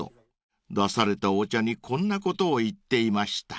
［出されたお茶にこんなことを言っていました］